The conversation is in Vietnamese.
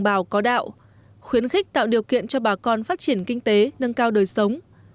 bảo có đạo khuyến khích tạo điều kiện cho bà con phát triển kinh tế nâng cao đời sống